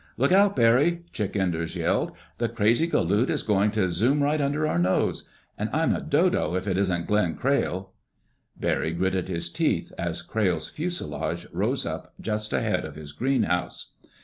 "Look out, Barry!" Chick Enders yelled. "The crazy galoot is going to zoom right under our nose ... and I'm a dodo if it isn't Glenn Crayle!" Barry gritted his teeth as Crayle's fuselage rose up just ahead of his greenhouse.